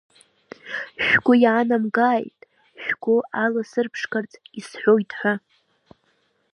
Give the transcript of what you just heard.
Шәгәы иаанамгааит, шәгәы аласырԥшқарц исҳәоит ҳәа.